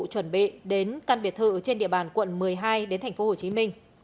chuẩn bị đến căn biệt thự trên địa bàn quận một mươi hai tp hcm